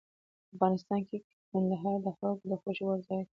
افغانستان کې کندهار د خلکو د خوښې وړ ځای دی.